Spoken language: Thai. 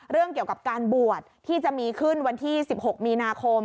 เรื่องเกี่ยวกับการบวชที่จะมีขึ้นวันที่๑๖มีนาคม